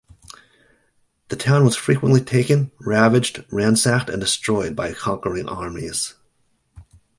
The town was frequently taken, ravaged, ransacked and destroyed by conquering armies.